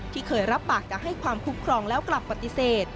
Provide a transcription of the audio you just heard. ที่เคยรับปากจะให้ความคุ้มครองแล้วกลับปฏิเสธ